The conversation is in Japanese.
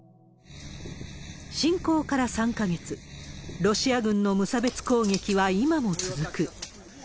侵攻から３か月、ロシア軍の無差別攻撃は今も続く。